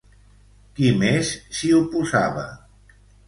Qui més s'hi oposava?